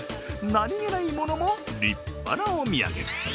なにげないものも立派なお土産。